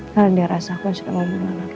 karena dia rasa aku sudah membunuh anaknya